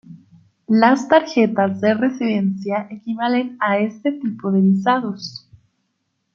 Las tarjetas de residencia equivalen a este tipo de visados.